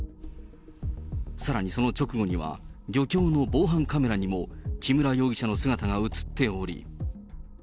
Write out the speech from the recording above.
さらにその直後には、漁協の防犯カメラにも、木村容疑者の姿が写っており。